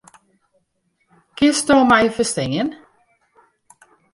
Kinsto my ferstean?